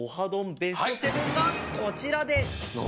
ベスト７がこちらです。